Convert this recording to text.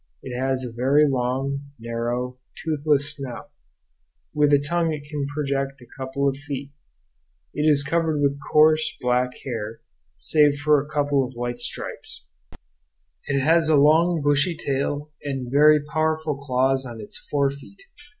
It has a very long, narrow, toothless snout, with a tongue it can project a couple of feet; it is covered with coarse, black hair, save for a couple of white stripes; it has a long, bushy tail and very powerful claws on its fore feet.